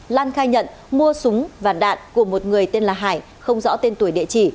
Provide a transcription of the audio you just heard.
lan khai nhận mua súng và đạn của một người tên là hải không rõ tên tuổi địa chỉ